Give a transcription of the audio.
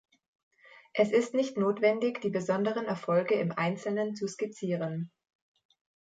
Es ist nicht notwendig, die besonderen Erfolge im einzelnen zu skizzieren.